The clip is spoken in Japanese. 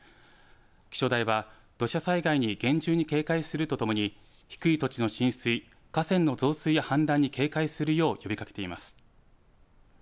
気象台は土砂災害に厳重に警戒するとともに低い土地の浸水河川の増水や氾濫に警戒するよう呼びかけています。